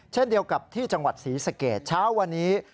เช่นเดียวกับที่จังหวัดศรีสะเกดเช้าวันนี้